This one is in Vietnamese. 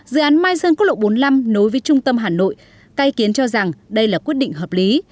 dự án mai sơn quốc lộ bốn mươi năm nối với trung tâm hà nội cây kiến cho rằng đây là quyết định hợp lý